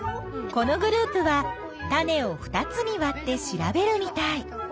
このグループは種を２つにわって調べるみたい。